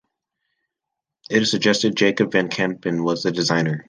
It is suggested Jacob van Campen was the designer.